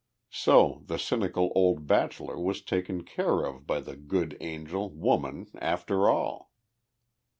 So the cynical old bachelor was taken care of by the good angel, woman, after all!